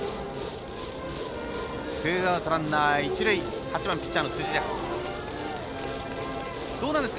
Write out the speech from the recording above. ツーアウト、ランナー一塁、８番ピッチャーの辻です。